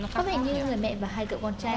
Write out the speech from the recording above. có vẻ như người mẹ và hai cậu con trai